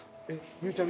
ゆうちゃみ